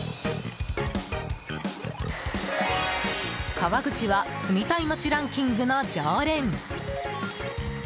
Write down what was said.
川口は住みたい街ランキングの常連。